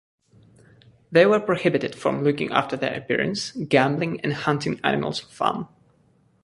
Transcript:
They were prohibited from looking after their appearance, gambling and hunting animals for fun.